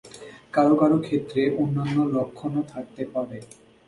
কারও কারও ক্ষেত্রে অন্যান্য লক্ষণও থাকতে পারে।